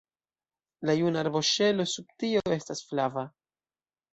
La juna arboŝelo sub tio estas flava.